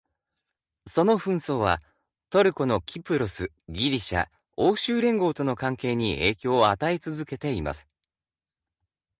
その紛争は、トルコのキプロス、ギリシャ、欧州連合との関係に影響を与え続けています。